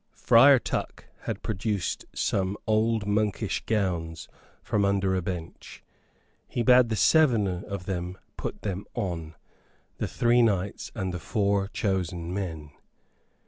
Friar Tuck had produced some old monkish gowns from under a bench. He bade the seven of them put them on, the three knights and the four chosen men.